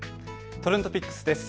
ＴｒｅｎｄＰｉｃｋｓです。